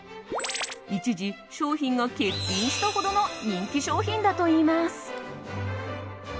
一時、商品が欠品したほどの人気商品だといいます。